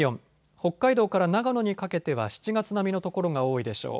北海道から長野にかけては７月並みの所が多いでしょう。